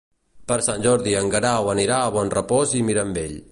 Per Sant Jordi en Guerau anirà a Bonrepòs i Mirambell.